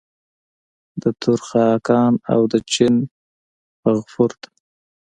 د ترک خاقان او د چین فغفور ته.